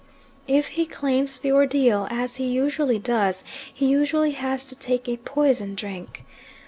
If he claims the ordeal, as he usually does, he usually has to take a poison drink.